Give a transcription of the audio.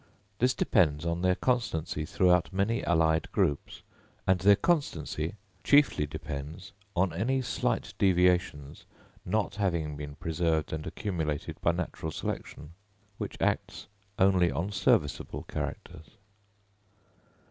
This depends on their constancy throughout many allied groups; and their constancy chiefly depends on any slight deviations not having been preserved and accumulated by natural selection, which acts only on serviceable characters.